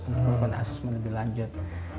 untuk mendapatkan assessment lebih lanjut